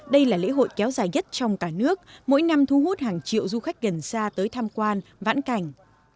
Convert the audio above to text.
đây là lễ hội kéo dài nhất trong cả nước mỗi năm thu hút hàng triệu du khách gần xa tới tham quan vãn cảnh